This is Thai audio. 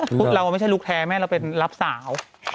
คุณฤวัติเราไม่ใช่ลุกแท้แม่เราเป็นรับสาว